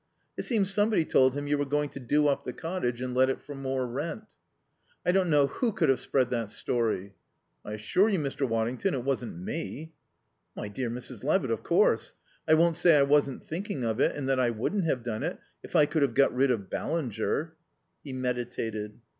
"It seems somebody told him you were going to do up the cottage and let it for more rent." "I don't know who could have spread that story." "I assure you, Mr. Waddington, it wasn't me!" "My dear Mrs. Levitt, of course.... I won't say I wasn't thinking of it, and that I wouldn't have done it, if I could have got rid of Ballinger...." He meditated.